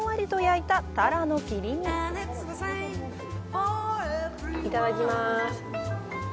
いただきまーす。